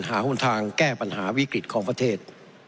หนทางแก้ปัญหาวิกฤตของประเทศ